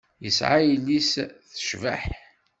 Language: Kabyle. Yesεa yelli-s tecbeḥ.